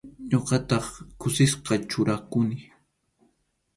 Ñuqataq kusisqa churakuni.